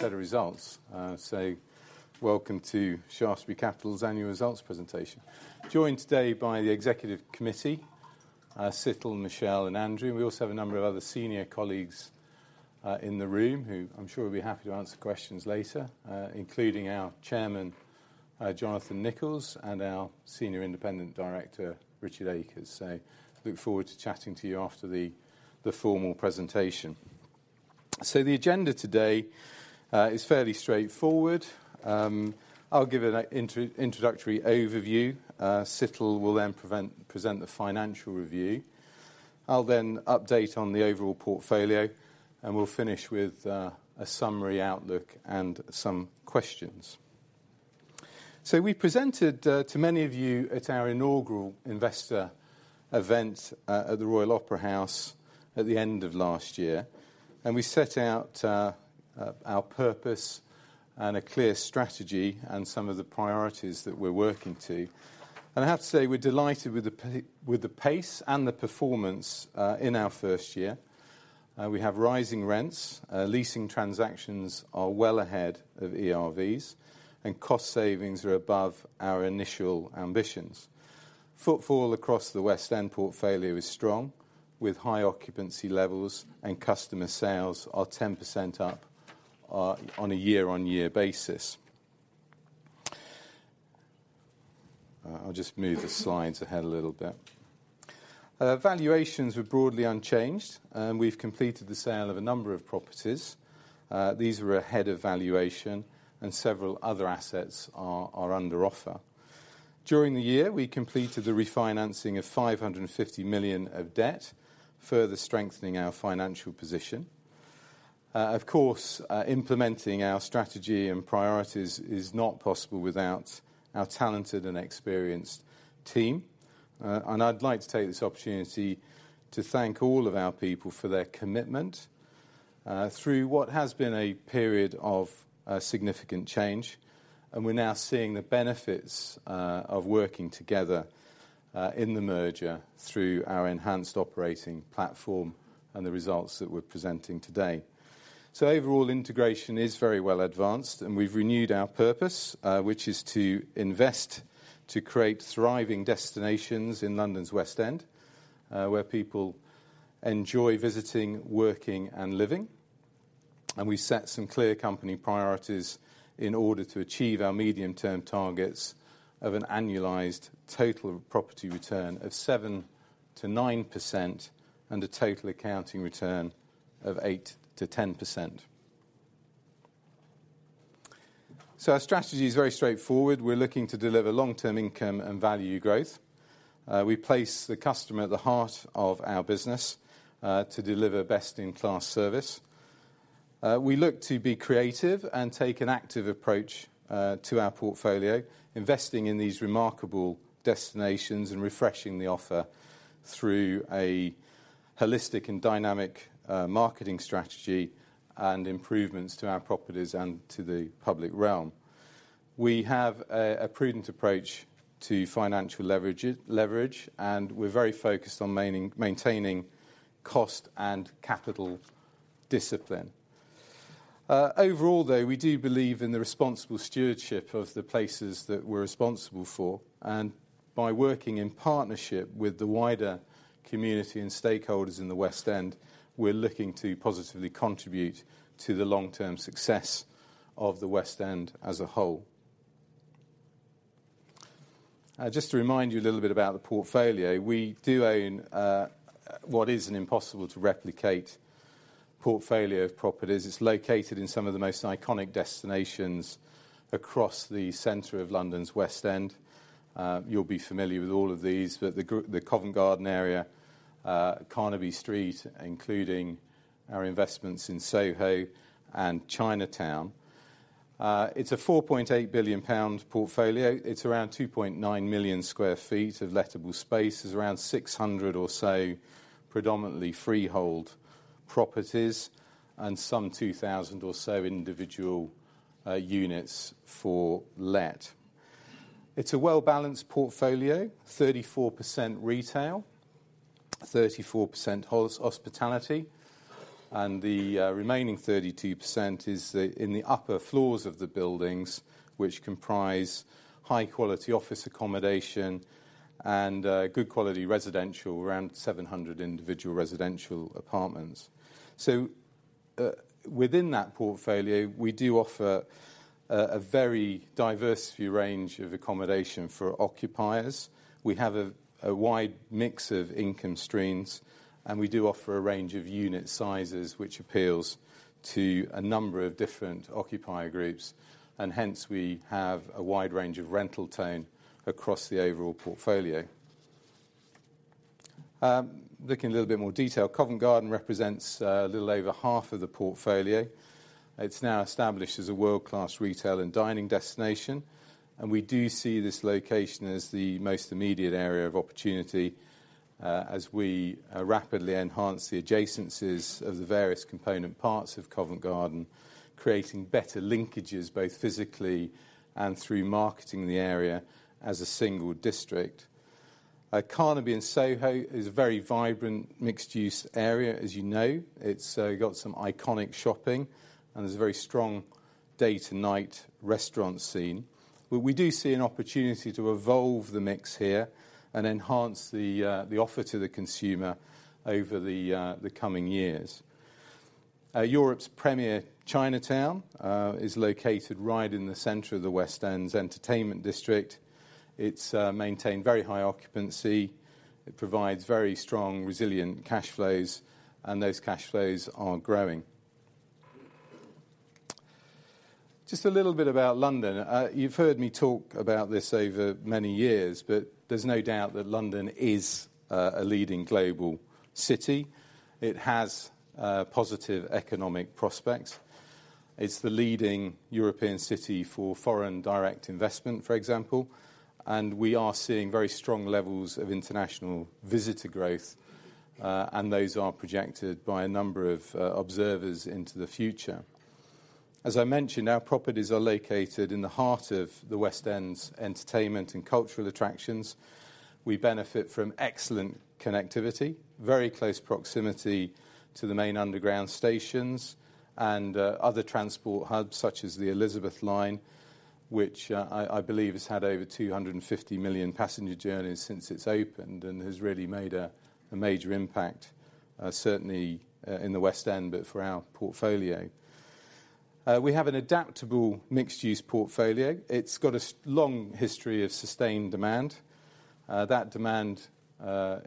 Good set of results. Welcome to Shaftesbury Capital's annual results presentation. Joined today by the executive committee, Situl, Michelle, and Andrew. We also have a number of other senior colleagues in the room who I'm sure will be happy to answer questions later, including our Chairman, Jonathan Nicholls, and our Senior Independent Director, Richard Akers. Look forward to chatting to you after the formal presentation. The agenda today is fairly straightforward. I'll give an introductory overview. Situl will then present the financial review. I'll then update on the overall portfolio, and we'll finish with a summary outlook and some questions. We presented to many of you at our inaugural investor event at the Royal Opera House at the end of last year, and we set out our purpose and a clear strategy and some of the priorities that we're working to. I have to say we're delighted with the pace and the performance in our first year. We have rising rents, leasing transactions are well ahead of ERVs, and cost savings are above our initial ambitions. Footfall across the West End portfolio is strong, with high occupancy levels and customer sales are 10% up on a year-on-year basis. I'll just move the slides ahead a little bit. Valuations were broadly unchanged, and we've completed the sale of a number of properties. These were ahead of valuation, and several other assets are under offer. During the year, we completed the refinancing of 550 million of debt, further strengthening our financial position. Of course, implementing our strategy and priorities is not possible without our talented and experienced team. I'd like to take this opportunity to thank all of our people for their commitment through what has been a period of significant change, and we're now seeing the benefits of working together in the merger through our enhanced operating platform and the results that we're presenting today. Overall, integration is very well advanced, and we've renewed our purpose, which is to invest to create thriving destinations in London's West End, where people enjoy visiting, working, and living. We've set some clear company priorities in order to achieve our medium-term targets of an annualized total property return of 7%-9% and a total accounting return of 8%-10%. Our strategy is very straightforward. We're looking to deliver long-term income and value growth. We place the customer at the heart of our business to deliver best-in-class service. We look to be creative and take an active approach to our portfolio, investing in these remarkable destinations and refreshing the offer through a holistic and dynamic marketing strategy and improvements to our properties and to the public realm. We have a prudent approach to financial leverage, and we're very focused on maintaining cost and capital discipline. Overall, though, we do believe in the responsible stewardship of the places that we're responsible for, and by working in partnership with the wider community and stakeholders in the West End, we're looking to positively contribute to the long-term success of the West End as a whole. Just to remind you a little bit about the portfolio, we do own what is an impossible-to-replicate portfolio of properties. It's located in some of the most iconic destinations across the center of London's West End. You'll be familiar with all of these, but the Covent Garden area, Carnaby Street, including our investments in Soho and Chinatown. It's a 4.8 billion pound portfolio. It's around 2.9 million sq ft of lettable space. There's around 600 or so predominantly freehold properties and some 2,000 or so individual units for lease. It's a well-balanced portfolio, 34% retail, 34% hospitality, and the remaining 32% is in the upper floors of the buildings, which comprise high-quality office accommodation and good-quality residential, around 700 individual residential apartments. So, within that portfolio, we do offer a very diverse view range of accommodation for occupiers. We have a wide mix of income streams, and we do offer a range of unit sizes, which appeals to a number of different occupier groups, and hence, we have a wide range of rental tone across the overall portfolio. Looking a little bit more detail, Covent Garden represents a little over half of the portfolio. It's now established as a world-class retail and dining destination, and we do see this location as the most immediate area of opportunity, as we rapidly enhance the adjacencies of the various component parts of Covent Garden, creating better linkages both physically and through marketing the area as a single district. Carnaby and Soho is a very vibrant mixed-use area, as you know. It's got some iconic shopping, and there's a very strong day-to-night restaurant scene. We do see an opportunity to evolve the mix here and enhance the offer to the consumer over the coming years. Europe's premier Chinatown is located right in the center of the West End's entertainment district. It's maintained very high occupancy. It provides very strong resilient cash flows, and those cash flows are growing. Just a little bit about London. You've heard me talk about this over many years, but there's no doubt that London is a leading global city. It has positive economic prospects. It's the leading European city for foreign direct investment, for example, and we are seeing very strong levels of international visitor growth, and those are projected by a number of observers into the future. As I mentioned, our properties are located in the heart of the West End's entertainment and cultural attractions. We benefit from excellent connectivity, very close proximity to the main underground stations, and other transport hubs such as the Elizabeth Line, which I believe has had over 250 million passenger journeys since it's opened and has really made a major impact, certainly in the West End but for our portfolio. We have an adaptable mixed-use portfolio. It's got a long history of sustained demand. That demand,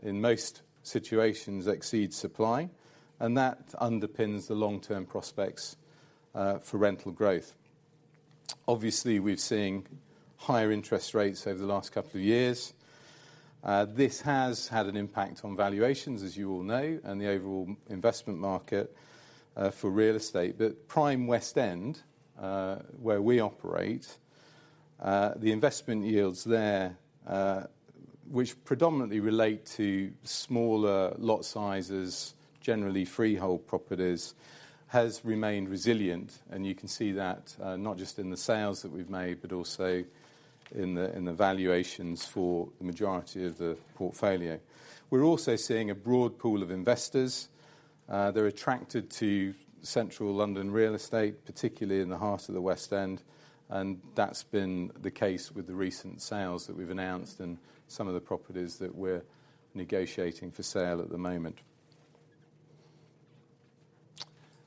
in most situations, exceeds supply, and that underpins the long-term prospects for rental growth. Obviously, we've seen higher interest rates over the last couple of years. This has had an impact on valuations, as you all know, and the overall investment market for real estate. But Prime West End, where we operate, the investment yields there, which predominantly relate to smaller lot sizes, generally freehold properties, has remained resilient, and you can see that, not just in the sales that we've made but also in the valuations for the majority of the portfolio. We're also seeing a broad pool of investors. They're attracted to central London real estate, particularly in the heart of the West End, and that's been the case with the recent sales that we've announced and some of the properties that we're negotiating for sale at the moment.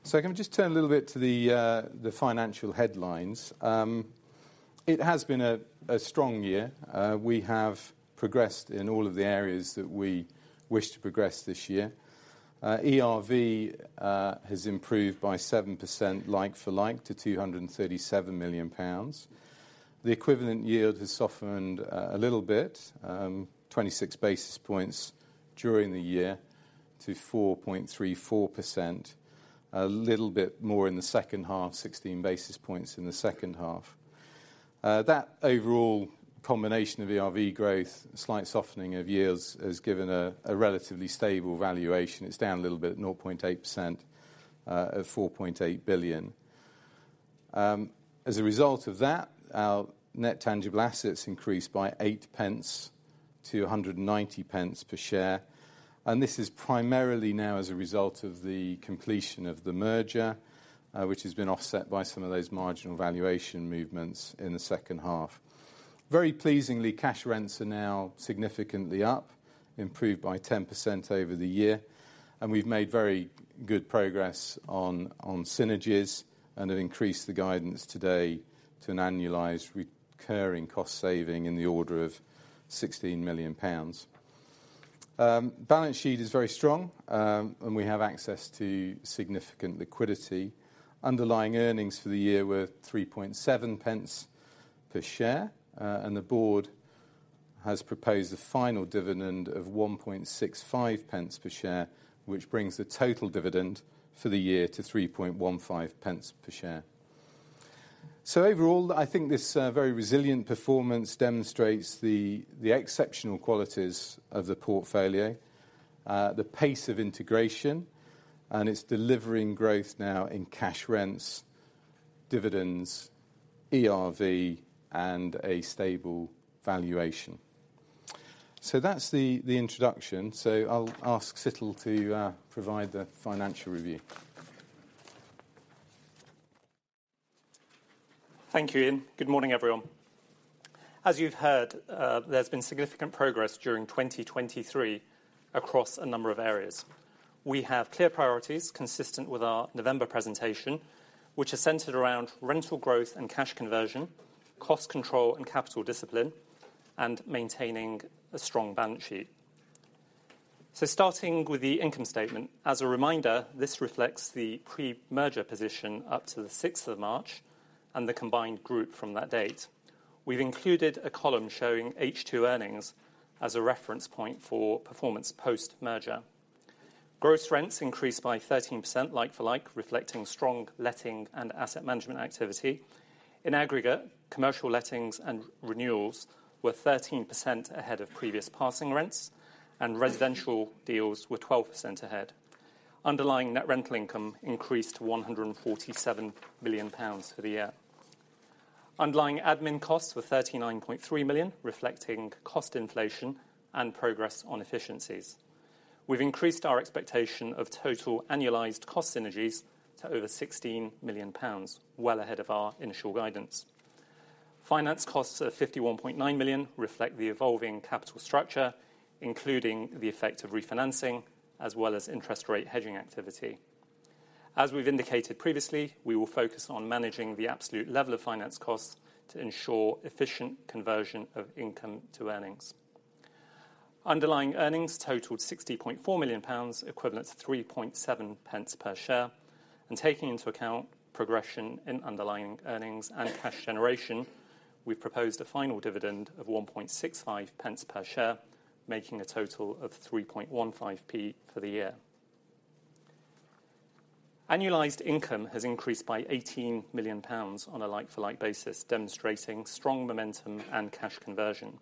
So can we just turn a little bit to the, the financial headlines? It has been a, a strong year. We have progressed in all of the areas that we wish to progress this year. ERV has improved by 7% like-for-like to 237 million pounds. The equivalent yield has softened, a little bit, 26 basis points during the year to 4.34%, a little bit more in the second half, 16 basis points in the second half. That overall combination of ERV growth, slight softening of yields, has given a, a relatively stable valuation. It's down a little bit at 0.8%, of 4.8 billion. As a result of that, our net tangible assets increased by 0.08 to 1.90 per share, and this is primarily now as a result of the completion of the merger, which has been offset by some of those marginal valuation movements in the second half. Very pleasingly, cash rents are now significantly up, improved by 10% over the year, and we've made very good progress on synergies and have increased the guidance today to an annualized recurring cost saving in the order of 16 million pounds. Balance sheet is very strong, and we have access to significant liquidity. Underlying earnings for the year were 0.037 per share, and the board has proposed a final dividend of 0.0165 per share, which brings the total dividend for the year to 0.0315 per share. So overall, I think this very resilient performance demonstrates the exceptional qualities of the portfolio, the pace of integration, and it's delivering growth now in cash rents, dividends, ERV, and a stable valuation. So that's the introduction. So I'll ask Situl to provide the financial review. Thank you, Ian. Good morning, everyone. As you've heard, there's been significant progress during 2023 across a number of areas. We have clear priorities consistent with our November presentation, which are centered around rental growth and cash conversion, cost control and capital discipline, and maintaining a strong balance sheet. Starting with the income statement, as a reminder, this reflects the pre-merger position up to the 6th of March and the combined group from that date. We've included a column showing H2 earnings as a reference point for performance post-merger. Gross rents increased by 13% like-for-like, reflecting strong letting and asset management activity. In aggregate, commercial lettings and renewals were 13% ahead of previous passing rents, and residential deals were 12% ahead. Underlying net rental income increased to 147 million pounds for the year. Underlying admin costs were 39.3 million, reflecting cost inflation and progress on efficiencies. We've increased our expectation of total annualized cost synergies to over GBP 16 million, well ahead of our initial guidance. Finance costs of GBP 51.9 million reflect the evolving capital structure, including the effect of refinancing as well as interest rate hedging activity. As we've indicated previously, we will focus on managing the absolute level of finance costs to ensure efficient conversion of income to earnings. Underlying earnings totaled 60.4 million pounds, equivalent to 0.037 per share, and taking into account progression in underlying earnings and cash generation, we've proposed a final dividend of 0.0165 per share, making a total of 0.0315 for the year. Annualized income has increased by 18 million pounds on a like-for-like basis, demonstrating strong momentum and cash conversion.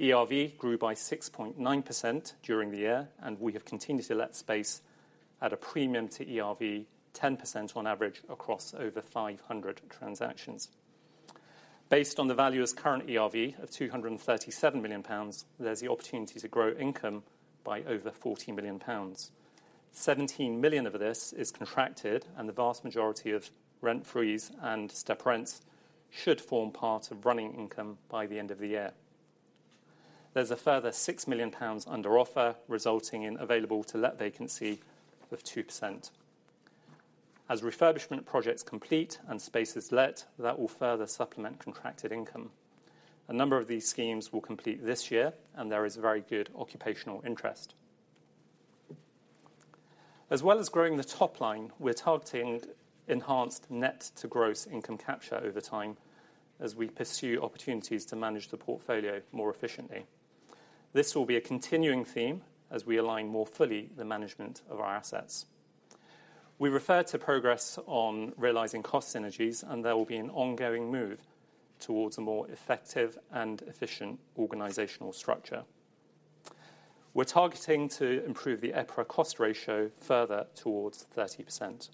ERV grew by 6.9% during the year, and we have continued to let space at a premium to ERV, 10% on average across over 500 transactions. Based on the value of current ERV of 237 million pounds, there's the opportunity to grow income by over 40 million pounds. 17 million of this is contracted, and the vast majority of rent frees and step rents should form part of running income by the end of the year. There's a further 6 million pounds under offer, resulting in available-to-let vacancy of 2%. As refurbishment projects complete and space is let, that will further supplement contracted income. A number of these schemes will complete this year, and there is very good occupational interest. As well as growing the top line, we're targeting enhanced Net-to-gross income capture over time as we pursue opportunities to manage the portfolio more efficiently. This will be a continuing theme as we align more fully the management of our assets. We refer to progress on realizing cost synergies, and there will be an ongoing move towards a more effective and efficient organizational structure. We're targeting to improve the EPRA cost ratio further towards 30%.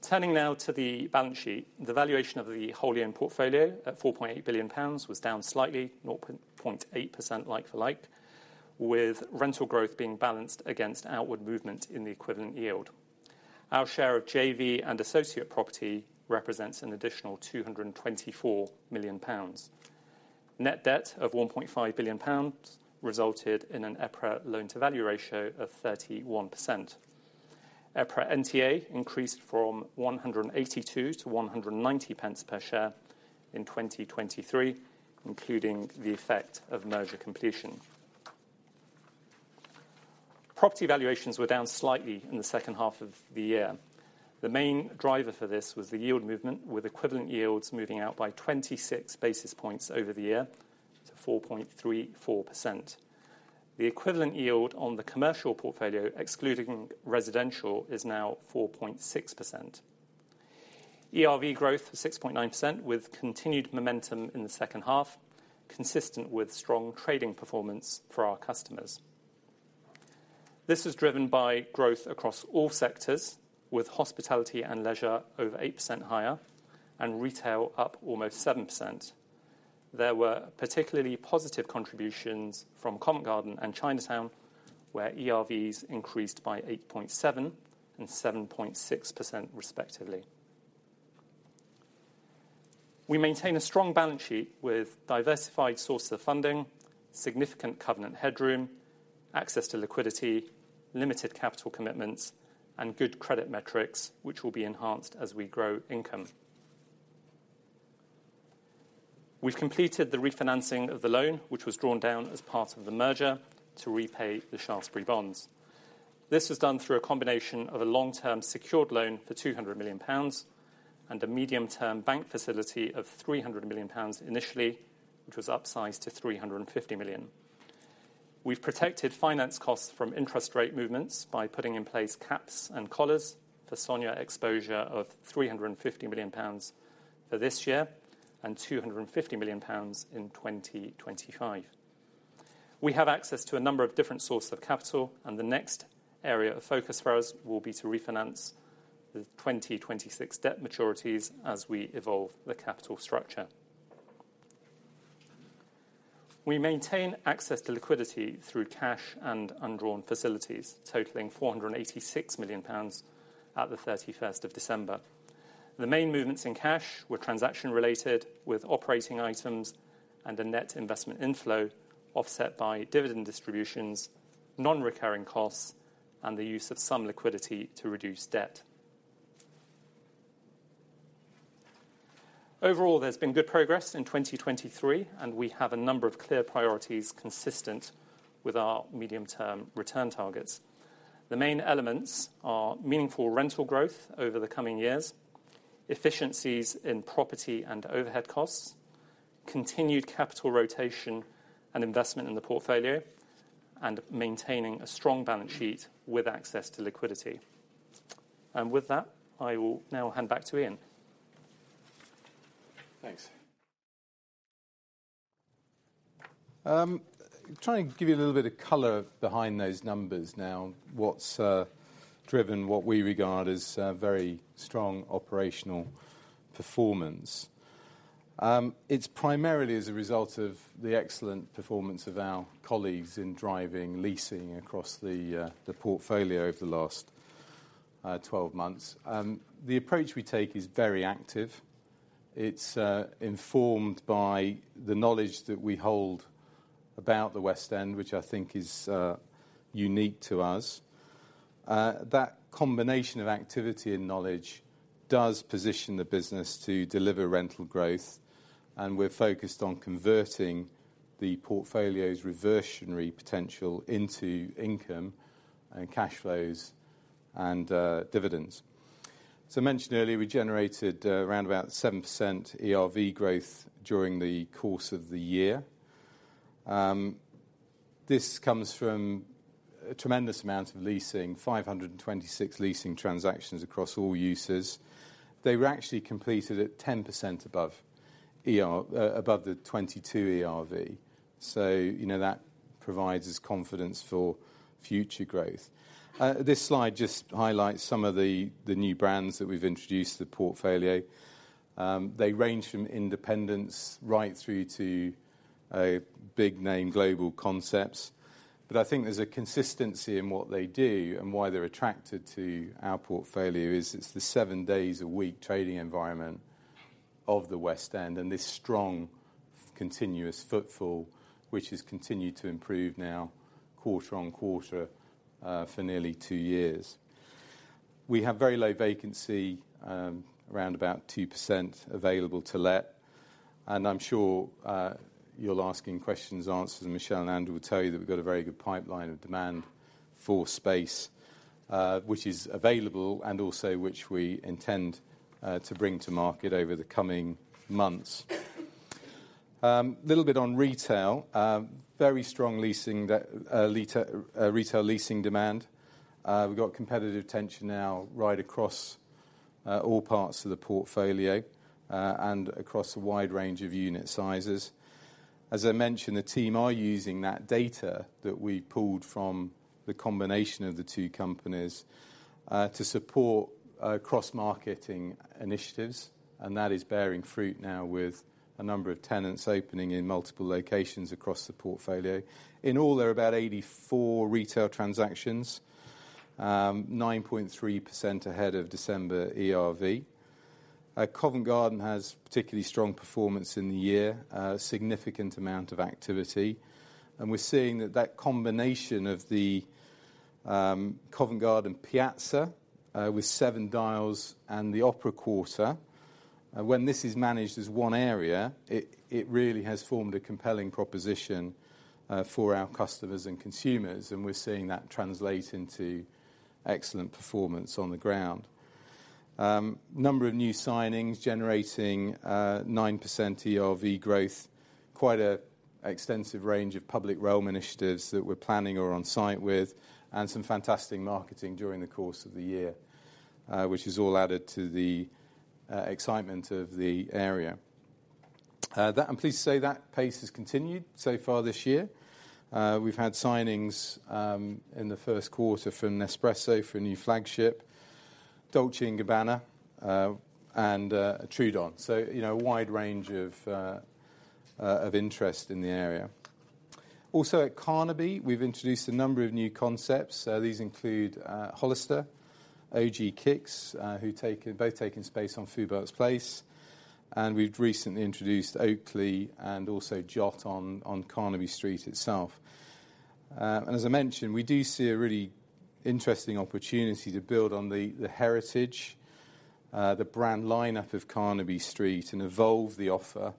Turning now to the balance sheet, the valuation of the whole-year portfolio at 4.8 billion pounds was down slightly, 0.8% like-for-like, with rental growth being balanced against outward movement in the equivalent yield. Our share of JV and associate property represents an additional 224 million pounds. Net debt of 1.5 billion pounds resulted in an EPRA loan-to-value ratio of 31%. EPRA NTA increased from 182 to 190 per share in 2023, including the effect of merger completion. Property valuations were down slightly in the second half of the year. The main driver for this was the yield movement, with equivalent yields moving out by 26 basis points over the year to 4.34%. The equivalent yield on the commercial portfolio, excluding residential, is now 4.6%. ERV growth was 6.9%, with continued momentum in the second half, consistent with strong trading performance for our customers. This was driven by growth across all sectors, with hospitality and leisure over 8% higher and retail up almost 7%. There were particularly positive contributions from Covent Garden and Chinatown, where ERVs increased by 8.7% and 7.6% respectively. We maintain a strong balance sheet with diversified sources of funding, significant covenant headroom, access to liquidity, limited capital commitments, and good credit metrics, which will be enhanced as we grow income. We've completed the refinancing of the loan, which was drawn down as part of the merger to repay the Shaftesbury bonds. This was done through a combination of a long-term secured loan for GBP 200 million and a medium-term bank facility of GBP 300 million initially, which was upsized to GBP 350 million. We've protected finance costs from interest rate movements by putting in place caps and collars for SONIA exposure of GBP 350 million for this year and GBP 250 million in 2025. We have access to a number of different sources of capital, and the next area of focus for us will be to refinance the 2026 debt maturities as we evolve the capital structure. We maintain access to liquidity through cash and undrawn facilities, totaling 486 million pounds at the 31st of December. The main movements in cash were transaction-related, with operating items and a net investment inflow offset by dividend distributions, non-recurring costs, and the use of some liquidity to reduce debt. Overall, there's been good progress in 2023, and we have a number of clear priorities consistent with our medium-term return targets. The main elements are meaningful rental growth over the coming years, efficiencies in property and overhead costs, continued capital rotation and investment in the portfolio, and maintaining a strong balance sheet with access to liquidity. With that, I will now hand back to Ian. Thanks. Trying to give you a little bit of color behind those numbers now, what's driven what we regard as very strong operational performance. It's primarily as a result of the excellent performance of our colleagues in driving leasing across the portfolio over the last 12 months. The approach we take is very active. It's informed by the knowledge that we hold about the West End, which I think is unique to us. That combination of activity and knowledge does position the business to deliver rental growth, and we're focused on converting the portfolio's reversionary potential into income and cash flows and dividends. As I mentioned earlier, we generated around about 7% ERV growth during the course of the year. This comes from a tremendous amount of leasing, 526 leasing transactions across all uses. They were actually completed at 10% above ERV, above the 2022 ERV. So, you know, that provides us confidence for future growth. This slide just highlights some of the new brands that we've introduced to the portfolio. They range from independents right through to big-name global concepts. But I think there's a consistency in what they do and why they're attracted to our portfolio is it's the seven days a week trading environment of the West End and this strong continuous footfall, which has continued to improve now quarter-over-quarter, for nearly two years. We have very low vacancy, around about 2% available to let. And I'm sure, you'll ask in questions and answers, and Michelle and Andrew will tell you that we've got a very good pipeline of demand for space, which is available and also which we intend to bring to market over the coming months. A little bit on retail, very strong leasing, retail leasing demand. We've got competitive tension now right across all parts of the portfolio, and across a wide range of unit sizes. As I mentioned, the team are using that data that we've pulled from the combination of the two companies, to support cross-marketing initiatives, and that is bearing fruit now with a number of tenants opening in multiple locations across the portfolio. In all, there are about 84 retail transactions, 9.3% ahead of December ERV. Covent Garden has particularly strong performance in the year, significant amount of activity. We're seeing that that combination of the Covent Garden Piazza, with Seven Dials and the Opera Quarter, when this is managed as one area, it really has formed a compelling proposition, for our customers and consumers, and we're seeing that translate into excellent performance on the ground. number of new signings generating 9% ERV growth, quite an extensive range of public realm initiatives that we're planning or on-site with, and some fantastic marketing during the course of the year, which has all added to the excitement of the area. That and please say that pace has continued so far this year. We've had signings in the first quarter from Nespresso for a new flagship, Dolce & Gabbana, and Trudon. So, you know, a wide range of interest in the area. Also at Carnaby, we've introduced a number of new concepts. These include Hollister, OG Kicks, who take in both taking space on Foubert's Place. And we've recently introduced Oakley and also JOTT on Carnaby Street itself. As I mentioned, we do see a really interesting opportunity to build on the, the heritage, the brand lineup of Carnaby Street and evolve the offer,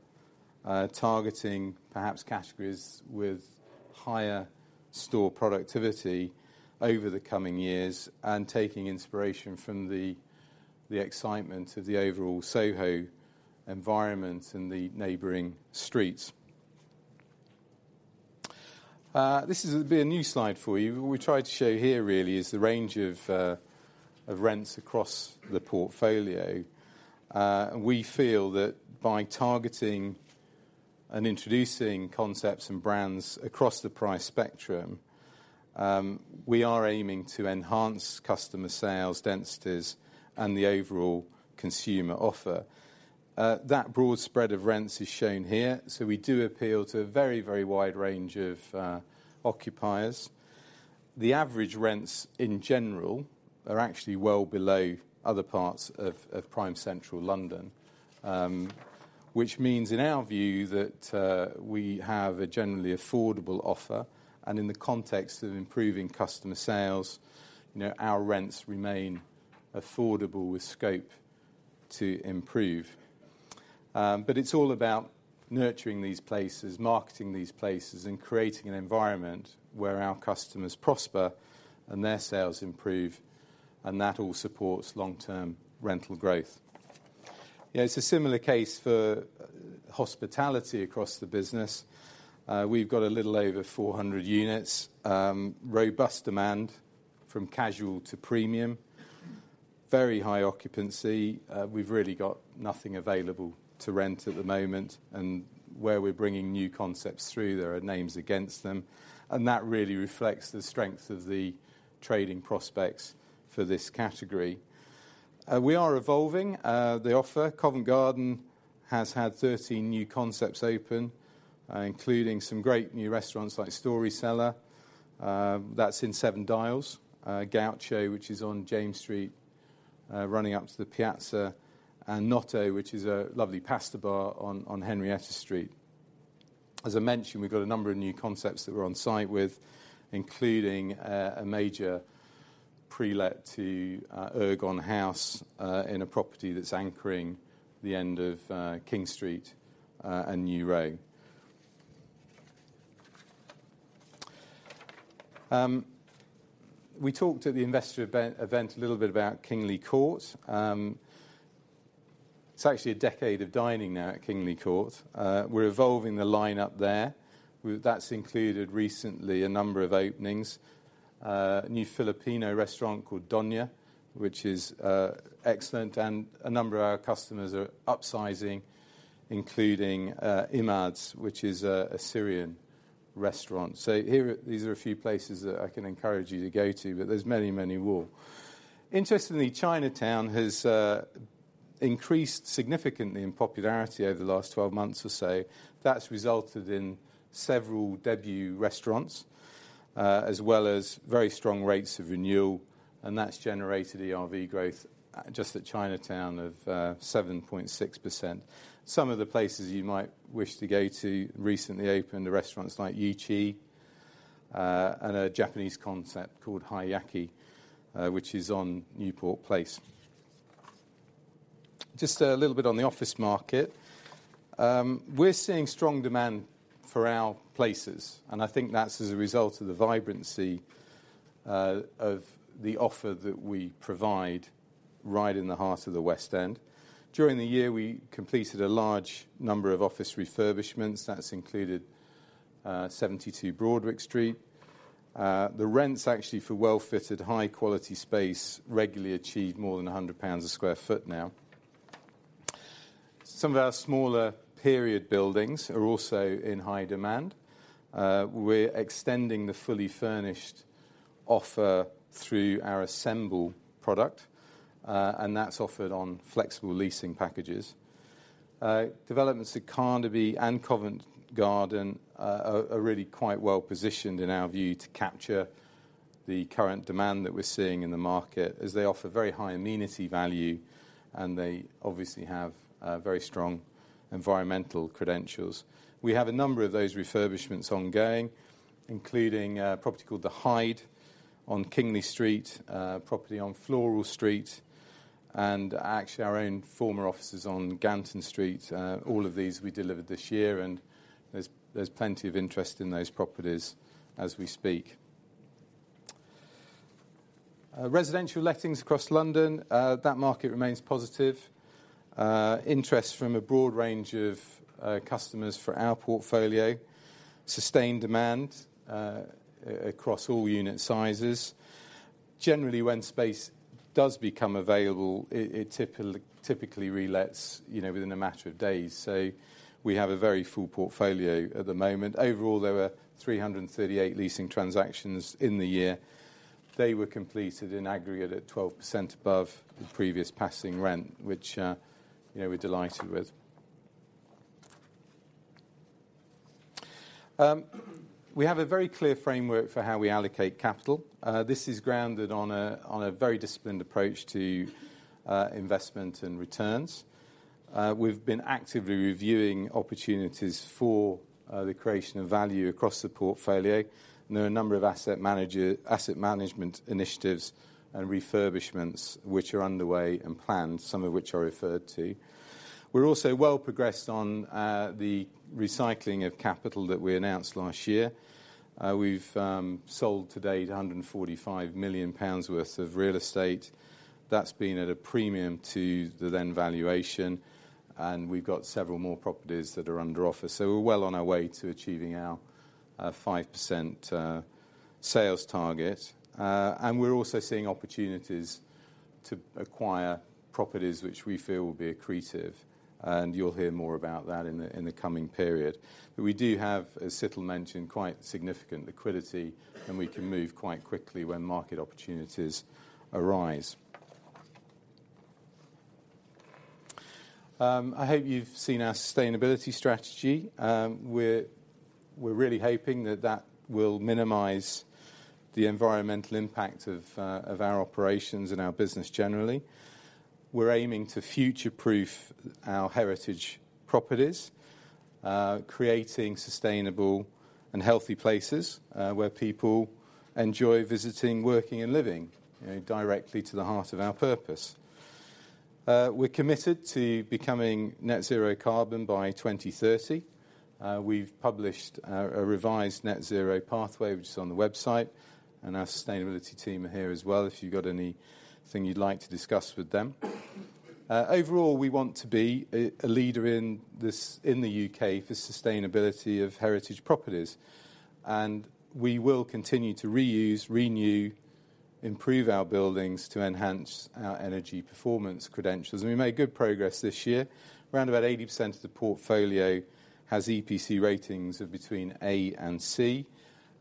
targeting perhaps categories with higher store productivity over the coming years and taking inspiration from the, the excitement of the overall Soho environment and the neighbouring streets. This is a bit a new slide for you. What we tried to show here, really, is the range of, of rents across the portfolio. We feel that by targeting and introducing concepts and brands across the price spectrum, we are aiming to enhance customer sales densities and the overall consumer offer. That broad spread of rents is shown here. So we do appeal to a very, very wide range of, occupiers. The average rents in general are actually well below other parts of prime central London, which means in our view that we have a generally affordable offer. And in the context of improving customer sales, you know, our rents remain affordable with scope to improve. But it's all about nurturing these places, marketing these places, and creating an environment where our customers prosper and their sales improve, and that all supports long-term rental growth. Yeah, it's a similar case for hospitality across the business. We've got a little over 400 units, robust demand from casual to premium, very high occupancy. We've really got nothing available to rent at the moment, and where we're bringing new concepts through, there are names against them. And that really reflects the strength of the trading prospects for this category. We are evolving. The offer Covent Garden has had 13 new concepts open, including some great new restaurants like Story Cellar. That's in Seven Dials, Gaucho, which is on James Street, running up to the Piazza, and Notto, which is a lovely pasta bar on Henrietta Street. As I mentioned, we've got a number of new concepts that we're on-site with, including a major pre-let to Ergon House, in a property that's anchoring the end of King Street and New Row. We talked at the investor event a little bit about Kingly Court. It's actually a decade of dining now at Kingly Court. We're evolving the lineup there. That's included recently a number of openings, new Filipino restaurant called Donia, which is excellent, and a number of our customers are upsizing, including Imad's, which is a Syrian restaurant. So here these are a few places that I can encourage you to go to, but there's many, many more. Interestingly, Chinatown has increased significantly in popularity over the last 12 months or so. That's resulted in several debut restaurants, as well as very strong rates of renewal, and that's generated ERV growth just at Chinatown of 7.6%. Some of the places you might wish to go to recently opened are restaurants like YiQi, and a Japanese concept called High Yaki, which is on Newport Place. Just a little bit on the office market. We're seeing strong demand for our places, and I think that's as a result of the vibrancy of the offer that we provide right in the heart of the West End. During the year, we completed a large number of office refurbishments. That's included 72 Broadwick Street. The rents actually for well-fitted, high-quality space regularly achieve more than 100 pounds a sq ft now. Some of our smaller period buildings are also in high demand. We're extending the fully furnished offer through our Assemble product, and that's offered on flexible leasing packages. Developments at Carnaby and Covent Garden are really quite well-positioned in our view to capture the current demand that we're seeing in the market as they offer very high amenity value, and they obviously have very strong environmental credentials. We have a number of those refurbishments ongoing, including a property called The Hyde on Kingly Street, a property on Floral Street, and actually our own former offices on Ganton Street. All of these we delivered this year, and there's plenty of interest in those properties as we speak. Residential lettings across London, that market remains positive. Interest from a broad range of customers for our portfolio, sustained demand across all unit sizes. Generally, when space does become available, it typically re-lets, you know, within a matter of days. So we have a very full portfolio at the moment. Overall, there were 338 leasing transactions in the year. They were completed in aggregate at 12% above the previous passing rent, which, you know, we're delighted with. We have a very clear framework for how we allocate capital. This is grounded on a very disciplined approach to investment and returns. We've been actively reviewing opportunities for the creation of value across the portfolio. And there are a number of asset management initiatives and refurbishments which are underway and planned, some of which are referred to. We're also well-progressed on the recycling of capital that we announced last year. We've sold to date 145 million pounds worth of real estate. That's been at a premium to the then valuation, and we've got several more properties that are under offer. So we're well on our way to achieving our 5% sales target. And we're also seeing opportunities to acquire properties which we feel will be accretive, and you'll hear more about that in the coming period. But we do have, as Situl mentioned, quite significant liquidity, and we can move quite quickly when market opportunities arise. I hope you've seen our sustainability strategy. We're really hoping that will minimize the environmental impact of our operations and our business generally. We're aiming to future-proof our heritage properties, creating sustainable and healthy places, where people enjoy visiting, working, and living, you know, directly to the heart of our purpose. We're committed to becoming net-zero carbon by 2030. We've published a revised net-zero pathway, which is on the website, and our sustainability team are here as well if you've got anything you'd like to discuss with them. Overall, we want to be a leader in this in the UK for sustainability of heritage properties. We will continue to reuse, renew, improve our buildings to enhance our energy performance credentials. We made good progress this year. Around about 80% of the portfolio has EPC ratings of between A and C,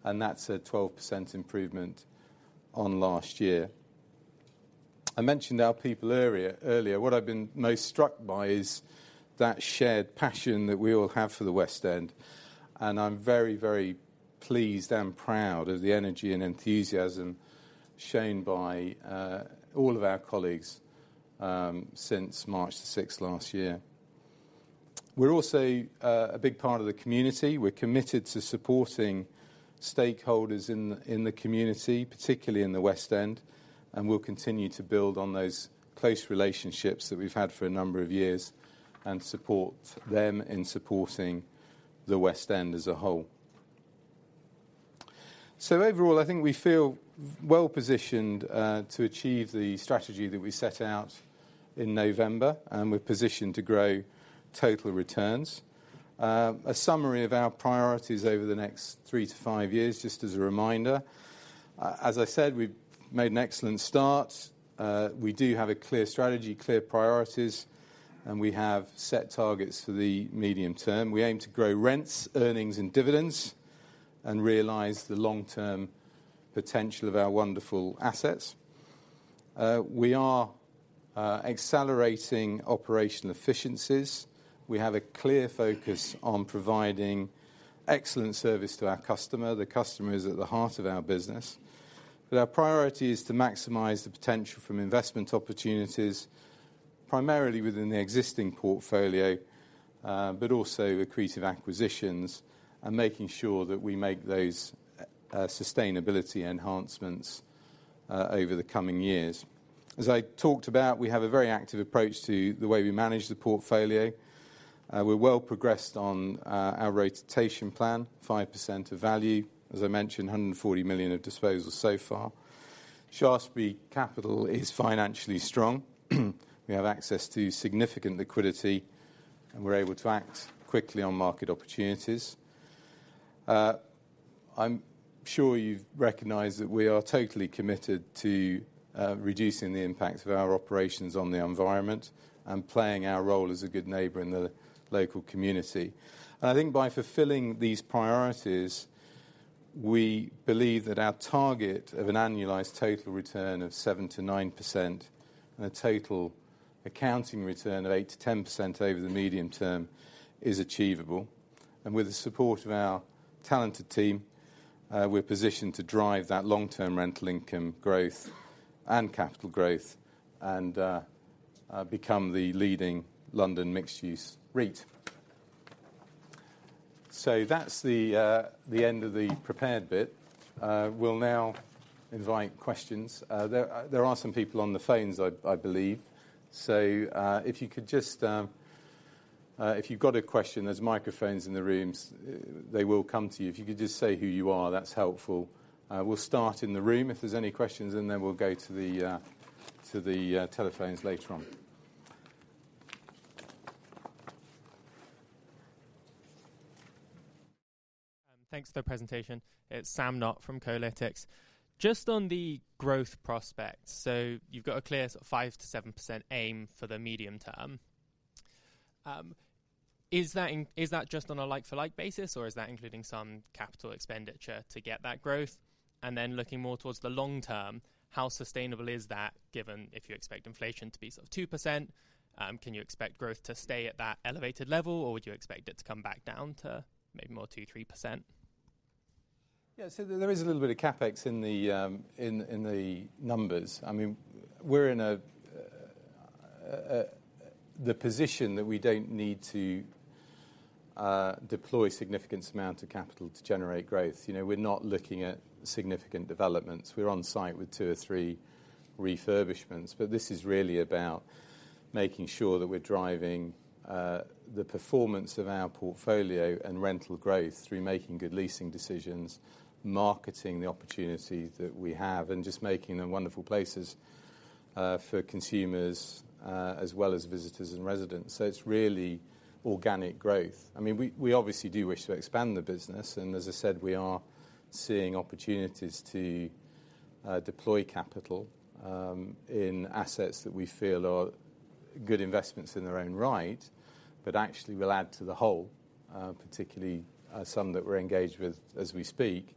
and that's a 12% improvement on last year. I mentioned our people earlier. Earlier, what I've been most struck by is that shared passion that we all have for the West End. I'm very, very pleased and proud of the energy and enthusiasm shown by all of our colleagues since March the 6th last year. We're also a big part of the community. We're committed to supporting stakeholders in the community, particularly in the West End, and we'll continue to build on those close relationships that we've had for a number of years and support them in supporting the West End as a whole. So overall, I think we feel well-positioned to achieve the strategy that we set out in November, and we're positioned to grow total returns. A summary of our priorities over the next three to five years, just as a reminder. As I said, we've made an excellent start. We do have a clear strategy, clear priorities, and we have set targets for the medium term. We aim to grow rents, earnings, and dividends and realize the long-term potential of our wonderful assets. We are accelerating operational efficiencies. We have a clear focus on providing excellent service to our customer. The customer is at the heart of our business. But our priority is to maximize the potential from investment opportunities, primarily within the existing portfolio, but also accretive acquisitions and making sure that we make those sustainability enhancements over the coming years. As I talked about, we have a very active approach to the way we manage the portfolio. We're well progressed on our rotation plan, 5% of value. As I mentioned, 140 million of disposal so far. Shaftesbury Capital is financially strong. We have access to significant liquidity, and we're able to act quickly on market opportunities. I'm sure you recognize that we are totally committed to reducing the impact of our operations on the environment and playing our role as a good neighbor in the local community. I think by fulfilling these priorities, we believe that our target of an annualized total return of 7%-9% and a total accounting return of 8%-10% over the medium term is achievable. With the support of our talented team, we're positioned to drive that long-term rental income growth and capital growth and become the leading London mixed-use REIT. So that's the end of the prepared bit. We'll now invite questions. There are some people on the phones, I believe. So if you could just, if you've got a question, there's microphones in the rooms. They will come to you. If you could just say who you are, that's helpful. We'll start in the room. If there's any questions, then we'll go to the telephones later on. Thanks for the presentation. It's Sam Knott from Kolytics. Just on the growth prospects, so you've got a clear sort of 5%-7% aim for the medium term. is that in is that just on a like-for-like basis, or is that including some capital expenditure to get that growth? And then looking more towards the long term, how sustainable is that given if you expect inflation to be sort of 2%? can you expect growth to stay at that elevated level, or would you expect it to come back down to maybe more 2%-3%? Yeah, so there is a little bit of CapEx in the numbers. I mean, we're in the position that we don't need to deploy a significant amount of capital to generate growth. You know, we're not looking at significant developments. We're on-site with two or three refurbishments. But this is really about making sure that we're driving the performance of our portfolio and rental growth through making good leasing decisions, marketing the opportunities that we have, and just making them wonderful places for consumers, as well as visitors and residents. So it's really organic growth. I mean, we obviously do wish to expand the business. And as I said, we are seeing opportunities to deploy capital in assets that we feel are good investments in their own right, but actually will add to the whole, particularly some that we're engaged with as we speak.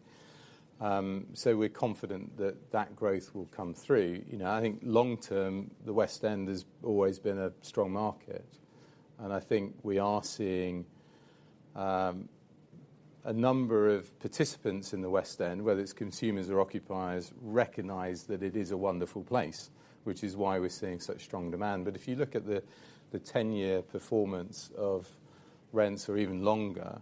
So we're confident that that growth will come through. You know, I think long term, the West End has always been a strong market. And I think we are seeing a number of participants in the West End, whether it's consumers or occupiers, recognize that it is a wonderful place, which is why we're seeing such strong demand. But if you look at the 10-year performance of rents or even longer,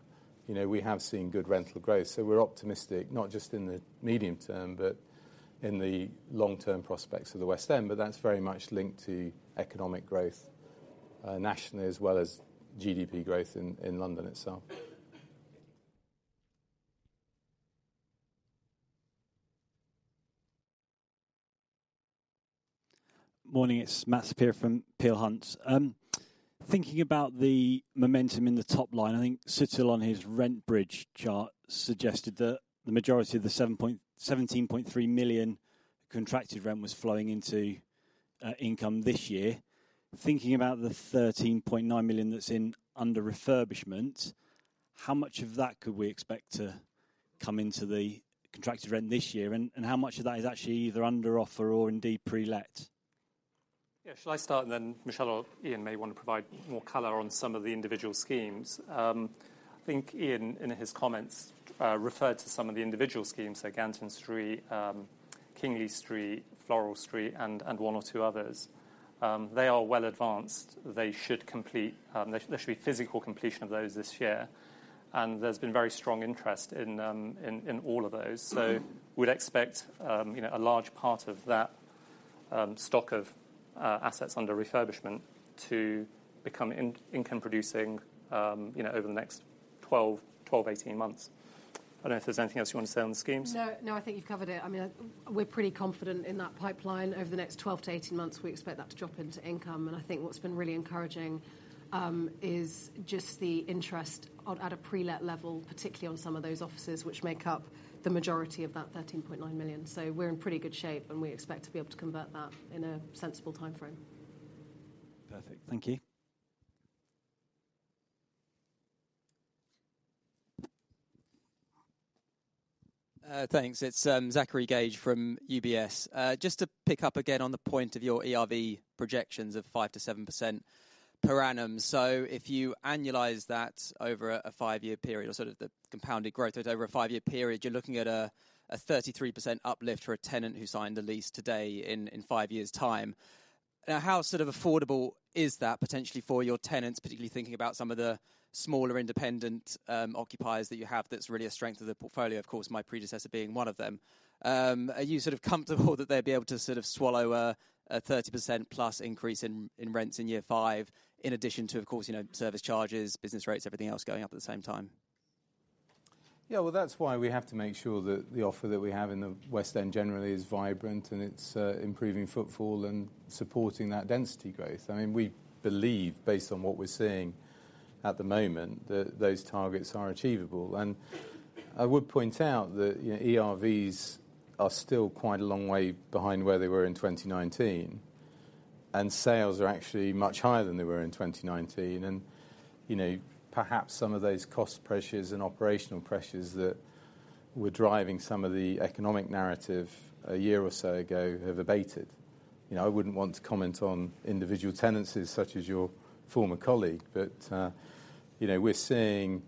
you know, we have seen good rental growth. So we're optimistic, not just in the medium term but in the long-term prospects of the West End. But that's very much linked to economic growth, nationally as well as GDP growth in London itself. Morning. It's Matt Saperia from Peel Hunt. Thinking about the momentum in the top line, I think Situl on his rent bridge chart suggested that the majority of the 7.1-7.3 million contracted rent was flowing into income this year. Thinking about the 13.9 million that's under refurbishment, how much of that could we expect to come into the contracted rent this year, and how much of that is actually either under offer or indeed pre-let? Yeah, shall I start? Then Michelle or Ian may want to provide more color on some of the individual schemes. I think Ian, in his comments, referred to some of the individual schemes, so Ganton Street, Kingly Street, Floral Street, and one or two others. They are well-advanced. They should complete. There should be physical completion of those this year. And there's been very strong interest in all of those. So we'd expect, you know, a large part of that stock of assets under refurbishment to become in-income producing, you know, over the next 12, 12-18 months. I don't know if there's anything else you want to say on the schemes. No, no, I think you've covered it. I mean, we're pretty confident in that pipeline. Over the next 12-18 months, we expect that to drop into income. I think what's been really encouraging is just the interest at a pre-let level, particularly on some of those offices, which make up the majority of that 13.9 million. So we're in pretty good shape, and we expect to be able to convert that in a sensible timeframe. Perfect. Thank you. Thanks. It's Zachary Gauge from UBS. Just to pick up again on the point of your ERV projections of 5%-7% per annum. So if you annualized that over a five-year period or sort of the compounded growth over a five-year period, you're looking at a, a 33% uplift for a tenant who signed the lease today in, in five years' time. Now, how sort of affordable is that potentially for your tenants, particularly thinking about some of the smaller independent occupiers that you have? That's really a strength of the portfolio, of course, my predecessor being one of them. Are you sort of comfortable that they'd be able to sort of swallow a, a 30%+ increase in, in rents in year five, in addition to, of course, you know, service charges, business rates, everything else going up at the same time? Yeah, well, that's why we have to make sure that the offer that we have in the West End generally is vibrant, and it's improving footfall and supporting that density growth. I mean, we believe, based on what we're seeing at the moment, that those targets are achievable. And I would point out that, you know, ERVs are still quite a long way behind where they were in 2019. And sales are actually much higher than they were in 2019. And, you know, perhaps some of those cost pressures and operational pressures that were driving some of the economic narrative a year or so ago have abated. You know, I wouldn't want to comment on individual tenancies such as your former colleague, but, you know, we're seeing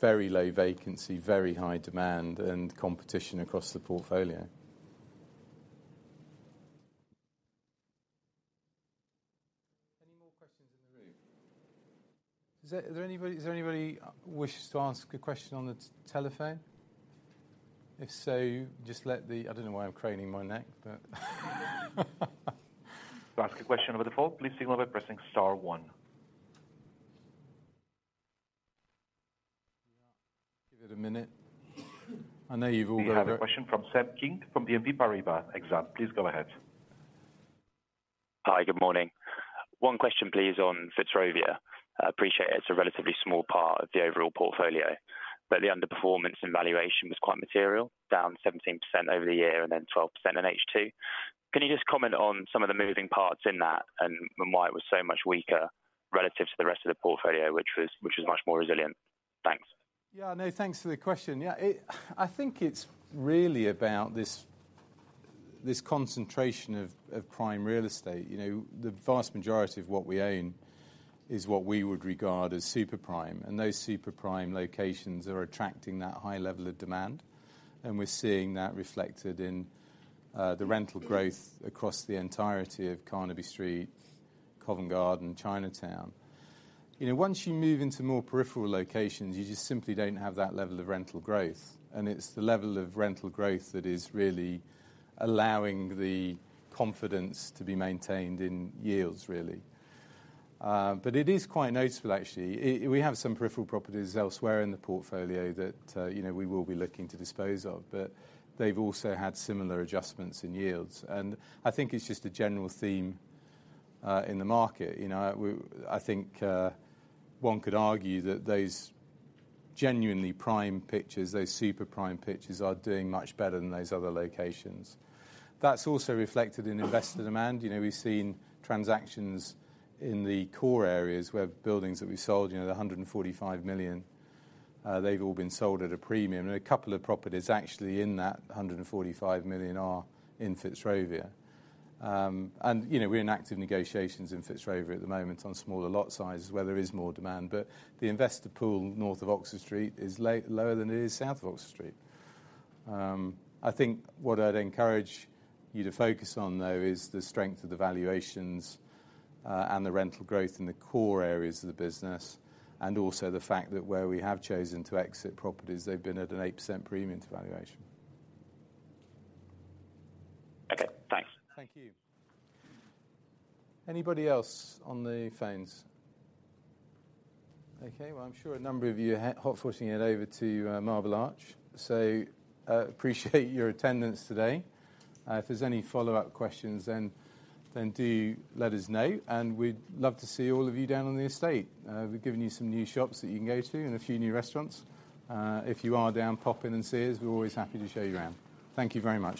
very low vacancy, very high demand, and competition across the portfolio. Any more questions in the room? Is there anybody, is there anybody who wishes to ask a question on the telephone? If so, just let the. I don't know why I'm craning my neck, but. To ask a question over the phone, please signal by pressing star one. Yeah. Give it a minute. I know you've all got. We have a question from Seb King from BNP Paribas Exane. Please go ahead. Hi. Good morning. One question, please, on Fitzrovia. I appreciate it's a relatively small part of the overall portfolio, but the underperformance in valuation was quite material, down 17% over the year and then 12% in H2. Can you just comment on some of the moving parts in that and why it was so much weaker relative to the rest of the portfolio, which was much more resilient? Thanks. Yeah. No, thanks for the question. Yeah, it, I think it's really about this concentration of prime real estate. You know, the vast majority of what we own is what we would regard as superprime. And those superprime locations are attracting that high level of demand. And we're seeing that reflected in the rental growth across the entirety of Carnaby Street, Covent Garden, Chinatown. You know, once you move into more peripheral locations, you just simply don't have that level of rental growth. And it's the level of rental growth that is really allowing the confidence to be maintained in yields, really. But it is quite noticeable, actually. We have some peripheral properties elsewhere in the portfolio that, you know, we will be looking to dispose of. But they've also had similar adjustments in yields. And I think it's just a general theme in the market. You know, I think, one could argue that those genuinely prime pictures, those superprime pictures, are doing much better than those other locations. That's also reflected in investor demand. You know, we've seen transactions in the core areas where buildings that we sold, you know, the 145 million, they've all been sold at a premium. A couple of properties actually in that 145 million are in Fitzrovia. You know, we're in active negotiations in Fitzrovia at the moment on smaller lot sizes, where there is more demand. But the investor pool north of Oxford Street is a lower than it is south of Oxford Street. I think what I'd encourage you to focus on, though, is the strength of the valuations, and the rental growth in the core areas of the business and also the fact that where we have chosen to exit properties, they've been at an 8% premium to valuation. Okay. Thanks. Thank you. Anybody else on the phones? Okay. Well, I'm sure a number of you are hot-footing it over to Marble Arch. So, appreciate your attendance today. If there's any follow-up questions, then do let us know. We'd love to see all of you down on the estate. We've given you some new shops that you can go to and a few new restaurants. If you are down, pop in and see us. We're always happy to show you around. Thank you very much.